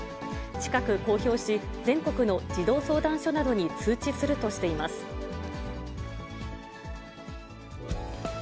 近く公表し、全国の児童相談所などに通知するとしています。